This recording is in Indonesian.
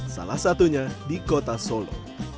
salah satunya di kota solo